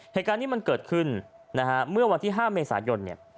เหตุการณ์นี้มันเกิดขึ้นนะฮะเมื่อวันที่๕เมษายนเนี่ย